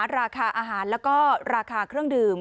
ราคาอาหารแล้วก็ราคาเครื่องดื่ม